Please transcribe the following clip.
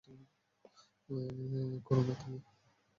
কোরো না, থামো।